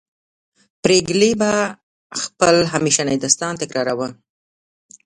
پريګلې به خپل همیشنی داستان تکراروه